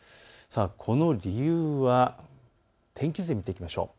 この理由は天気図で見ていきましょう。